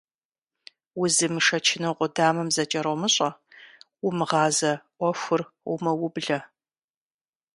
Узымышэчыну къудамэм зыкӀэромыщӀэ, умыгъазэ Ӏуэхур умыублэ.